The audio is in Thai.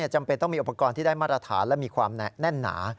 จำเป็นต้องมีอุปกรณ์ที่ได้มาตรฐานและมีความแน่นหนา